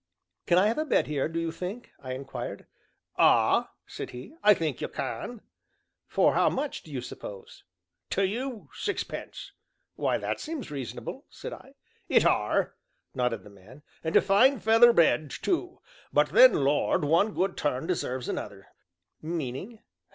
"Can I have a bed here, do you think?" I inquired. "Ah," said he, "I think you can." "For how much, do you suppose?" "To you sixpence." "Why, that seems reasonable," said I. "It are," nodded the man, "and a fine feather bed too! But then, Lord, one good turn deserves another " "Meaning?"